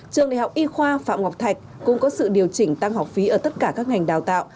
trường đại học y khoa phạm ngọc thạch cũng có sự điều chỉnh tăng học phí ở tất cả các ngành đào tạo